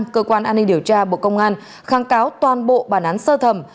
cơ quan an ninh điều tra bộ công an kháng cáo toàn bộ bản án sơ thẩm